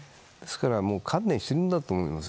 観念しているんだと思います。